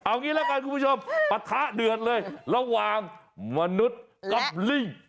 เอางี้ละกันคุณผู้ชมปะทะเดือดเลยระหว่างมนุษย์กับลิง